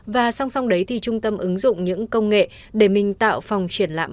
và song song đấy thì trung tâm ứng dụng những công nghệ để mình tạo phòng triển lãm